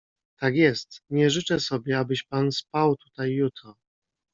"Tak jest, nie życzę sobie, abyś pan spał tutaj jutro."